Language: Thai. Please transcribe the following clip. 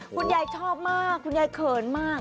คุณยายชอบมากคุณยายเขินมาก